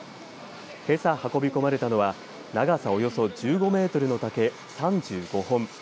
けさ、運び込まれたのは長さおよそ１５メートルの竹３５本。